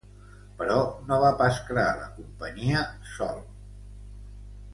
Però no va pas crear la companyia sol.